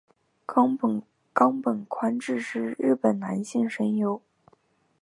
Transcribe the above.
冈本宽志是日本男性声优。